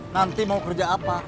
nanti mau kerja apa